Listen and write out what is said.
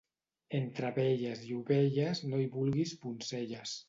Entre abelles i ovelles no hi vulguis poncelles.